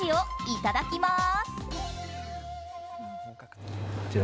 いただきます。